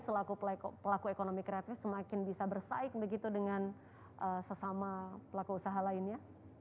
selaku pelaku ekonomi kreatif semakin bisa bersaing begitu dengan sesama pelaku usaha lainnya